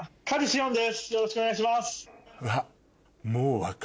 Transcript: よろしくお願いします。